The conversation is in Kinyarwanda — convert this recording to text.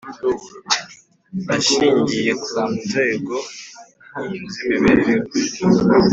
ashingiye ku nzego z’imibereho